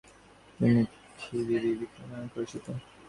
তিনি খিভি, বিবি খিভি নামেও পরিচিত।